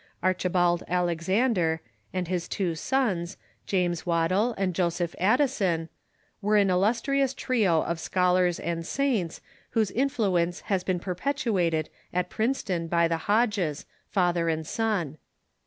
Archibald Alexander, and his two sons, James Waddell and Joseph Addison, were an il lustrious trio of scholars and saints, whose iuHuence has been perpetuated at Princeton by the Hodges, father and son.